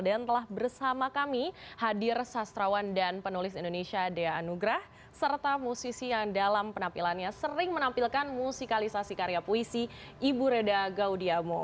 dan telah bersama kami hadir sastrawan dan penulis indonesia dea anugrah serta musisi yang dalam penampilannya sering menampilkan musikalisasi karya puisi ibu reda gaudiamo